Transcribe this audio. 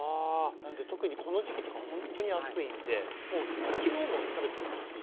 なんで特にこの時期とかほんっとに暑いんでもう昨日も食べてきましたし。